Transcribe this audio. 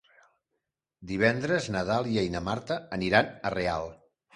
Divendres na Dàlia i na Marta aniran a Real.